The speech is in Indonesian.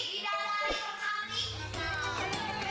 di dalam nih